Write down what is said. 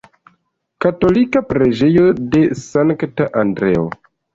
Katolika preĝejo de Sankta Andreo.